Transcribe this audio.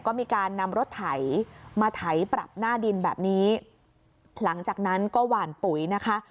ก็มีการนำรถไถมาไถปรับหน้าดินแบบนี้หลังจากนั้นก็หวานปุ๋ยนะคะ